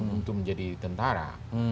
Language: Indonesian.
untuk menjadi tentara